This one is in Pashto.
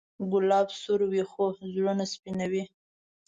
ګلاب سور وي، خو زړونه سپینوي.